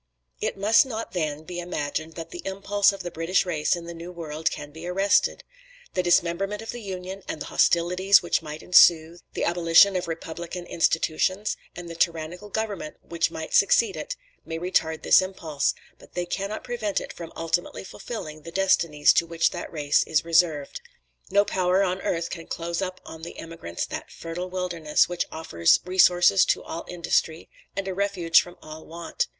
"It must not, then, be imagined that the impulse of the British race in the New World can be arrested. The dismemberment of the Union, and the hostilities which might ensue, the abolition of republican institutions, and the tyrannical government which might succeed it, may retard this impulse, but they cannot prevent it from ultimately fulfilling the destinies to which that race is reserved. No power upon earth can close upon the emigrants that fertile wilderness, which offers resources to all industry, and a refuge from all want.